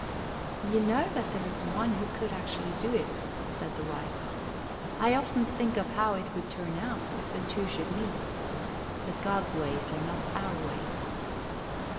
"You know that there is one who could actually do it," said the wife. "I often think of how it would turn out, if the two should meet. But God's ways are not our ways."